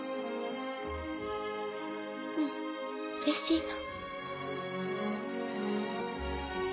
うんうれしいの。